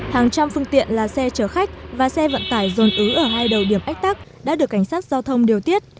hàng trăm phương tiện là xe chở khách và xe vận tải dồn ứ ở hai đầu điểm ách tắc đã được cảnh sát giao thông điều tiết